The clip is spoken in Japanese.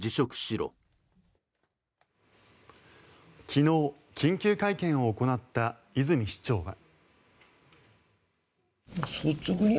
昨日、緊急会見を行った泉市長は。